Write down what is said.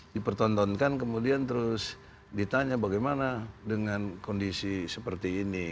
dipertontonkan kemudian terus ditanya bagaimana dengan kondisi seperti ini